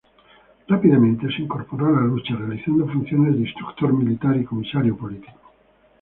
Rápidamente se incorporó a la lucha, realizando funciones de instructor militar y comisario político.